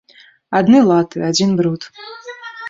Адны латы, адзін бруд!